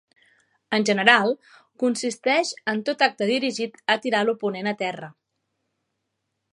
En general, consisteix en tot acte dirigit a tirar a l'oponent a terra.